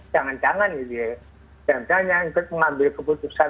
jangan jangan gitu ya jangan jangan ikut mengambil keputusan